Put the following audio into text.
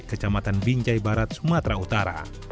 kecamatan binjai barat sumatera utara